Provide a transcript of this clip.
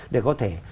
để có thể